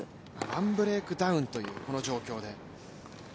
ワンブレークダウンというこの状況で。